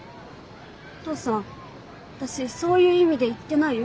お父さん私そういう意味で言ってないよ。